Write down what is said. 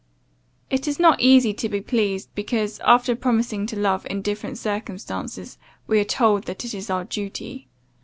It is not easy to be pleased, because, after promising to love, in different circumstances, we are told that it is our duty.